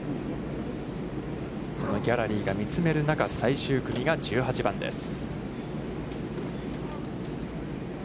ギャラリーが見つめる中、最終組が１８番です。